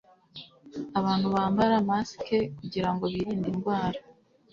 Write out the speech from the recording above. Abantu bambara masike kugirango birinde indwara.